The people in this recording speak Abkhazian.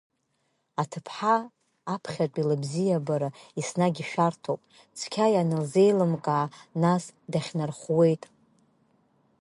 Аҭыԥҳа аԥхьатәи лыбзиабара еснагь ишәарҭоуп, цқьа ианылзеилымкаа нас дахьнархәуеит!